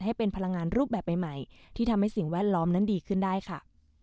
ให้เป็นพลังงานรูปแบบใหม่ที่ทำให้สิ่งแวดล้อมนั้นดีขึ้นได้ค่ะ